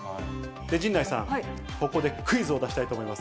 陣内さん、ここでクイズを出したいと思います。